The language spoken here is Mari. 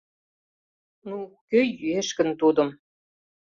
Ну, кӧ йӱэш гын тудым?